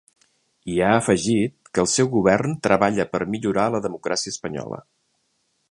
I ha afegit que el seu govern treballa per millorar la democràcia espanyola.